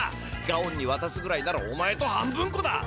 ガオンにわたすぐらいならお前と半分こだ！